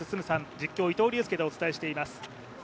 実況伊藤隆佑でお伝えしています